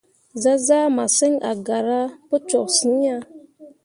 Zah zaa masǝŋ a gara pu toksyiŋ ah.